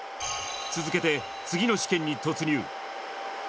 続けて、次の試験に突入。